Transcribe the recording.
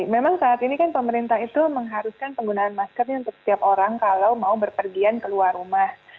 memang saat ini kan pemerintah itu mengharuskan penggunaan maskernya untuk setiap orang kalau mau berpergian keluar rumah